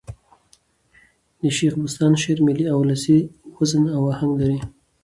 د شېخ بُستان شعر ملي اولسي وزن او آهنګ لري.